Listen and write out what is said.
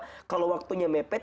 kita boleh ambil waktu yang lainnya